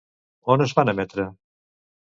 On es van emetre?